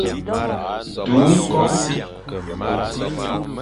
Du ñkobe.